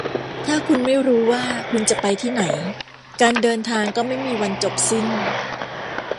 ถ้าคุณไม่รู้ว่าคุณจะไปที่ไหน การเดินทางก็ไม่มีวันจบสิ้น